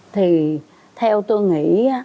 thì theo tôi nghĩ